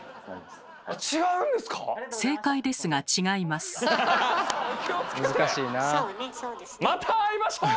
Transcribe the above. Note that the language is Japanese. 正解ですが違います。